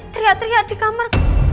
teriak teriak di kamar